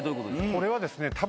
これはですね多分。